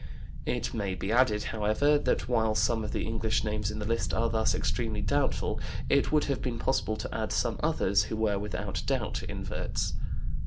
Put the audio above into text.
It may be added, however, that while some of the English names in the list are thus extremely doubtful, it would have been possible to add some others who were without doubt inverts.